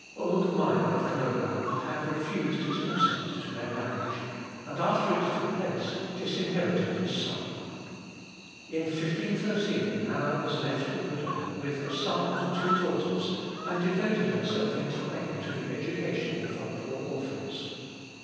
Old Meyer of Knonau had refused his consent to their marriage, and after it took place disinherited his son. In 1513 Anna was left a widow with a son and two daughters, and devoted herself entirely to the education of her poor orphans.